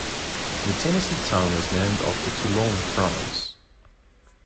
The Tennessee town was named after Toulon, France.